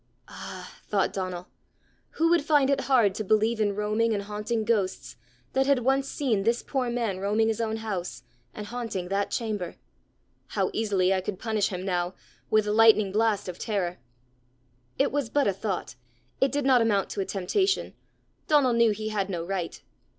"Ah!" thought Donal, "who would find it hard to believe in roaming and haunting ghosts, that had once seen this poor man roaming his own house, and haunting that chamber! How easily I could punish him now, with a lightning blast of terror!" It was but a thought; it did not amount to a temptation; Donal knew he had no right.